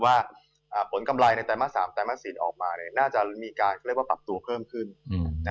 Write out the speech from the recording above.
ว่าผลกำไรในไตรมาส๓และไตรมาสที่๔ออกมาน่าจะมีการปรับตัวเพิ่มขึ้น